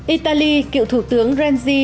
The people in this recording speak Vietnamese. italy cựu thủ tướng renzi